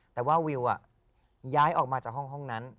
แต่ว่าวิวย้ายออกมาจากห้องนั้น